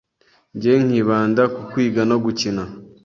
nge nkibanda ku kwiga no gukina.